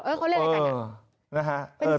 เออเขาเรียกอะไรกันเนี่ย